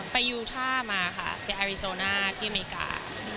ยูท่ามาค่ะไปอาวิโซน่าที่อเมริกา